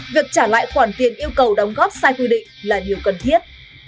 việc trả lại khoản tiền yêu cầu đóng góp sai quy định là điều cần thiết